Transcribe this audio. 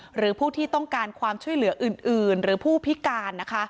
หรือผู้ที่ต้องการความช่วยเหลืออื่นหรือผู้พิการนะคะ